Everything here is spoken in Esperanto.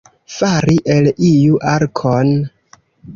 Fari el iu arkon.